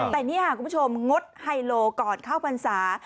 แต่นี่ค่ะคุณผู้ชมงดไฮโลก่อนเข้าพรรษา